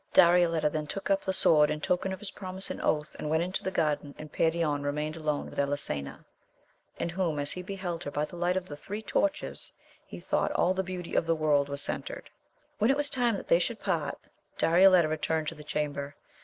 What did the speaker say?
Darioleta then took up the sword in token of his pro mise and oath, and went into the garden, and Perion remained alone with Elisena,* in whom as he beheld her by the light of the three torches, he thought all the beauty of the world was centered. When it was time that they should part, Darioleta returned to the chamber.